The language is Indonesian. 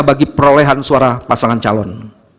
bagi perolehan suara pasangan calon